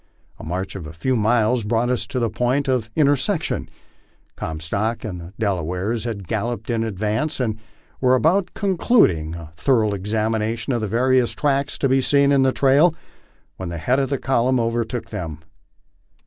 A march of a few miles brought us to the point of inter section. Comstock and the Delawares had galloped in advance, and were about concluding a thorough examination of the various tracks to be seen in the trail, when the head of the column overtook them.